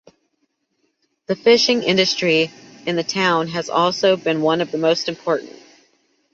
The fishing industry in the town has also been one of the most important.